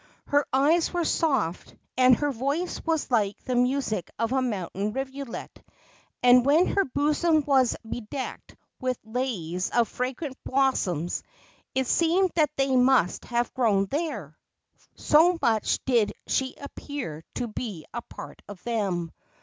Her eyes were soft, and her voice was like the music of a mountain rivulet, and when her bosom was bedecked with leis of fragrant blossoms it seemed that they must have grown there, so much did she appear to be a part of them.